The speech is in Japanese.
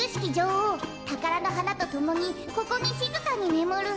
おうたからのはなとともにここにしずかにねむる」。